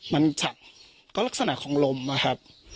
มันฉับก็ลักษณะของลมนะครับ